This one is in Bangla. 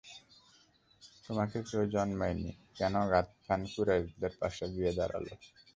তোমাকে কেউ জানায়নি, কেন গাতফান কুরাইশদের পাশে গিয়ে দাঁড়াল?